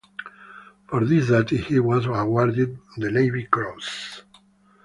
For this duty he was awarded the Navy Cross.